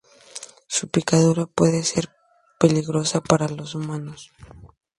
Su picadura puede ser peligrosa para los humanos.